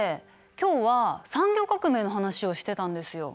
今日は産業革命の話をしてたんですよ。